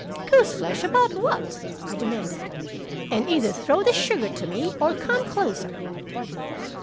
"Goose flesh about what?" I demanded. "And either throw the sugar to me or come closer."